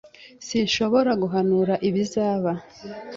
Sinshobora guhanura ibizaba.